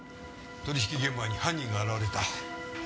取引現場に犯人が現れた。